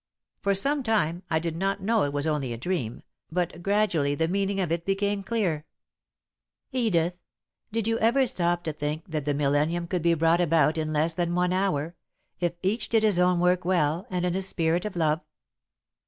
For some time I did not know it was only a dream, but gradually the meaning of it became clear. Edith, did you ever stop to think that the millennium could be brought about in less than one hour, if each did his own work well and in a spirit of love?